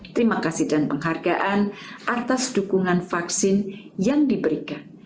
terima kasih dan penghargaan atas dukungan vaksin yang diberikan